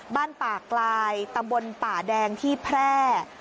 บ้านป่ากลายตำบลป่าแดงที่แพร่